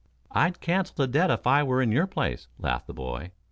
"I'd cancel the debt if I were in your place," laughed the boy.